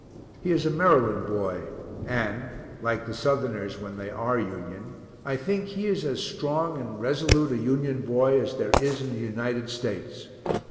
He is a Maryland boy and (like the Southerners when they are Union) I think he is as strong and resolute a Union boy as there is in the United States.